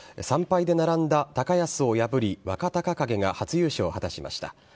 ３敗で並んだ高安を破り、若隆景が初優勝を果たしました。